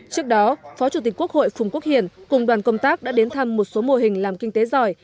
trước đó phó chủ tịch quốc hội phùng quốc hiển cùng đoàn công tác đã đến thăm một số mô hình làm kinh tế giỏi